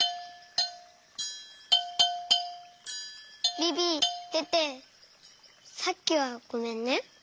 ビビテテさっきはごめんね。